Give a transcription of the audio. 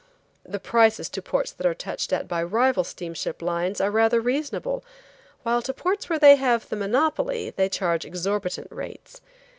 The prices to ports that are touched at by rival steamship lines are rather reasonable, while to ports where they have the monopoly they charge exorbitant rates.